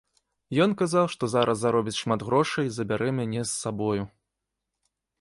Ён казаў, што зараз заробіць шмат грошай і забярэ мяне з сабою.